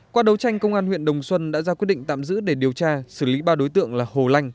qua đấu tranh công an huyện đồng xuân đã ra quyết định tạm giữ để điều tra xử lý ba đối tượng là hồ lanh